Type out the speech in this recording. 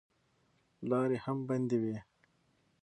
لارې هم بندې وې.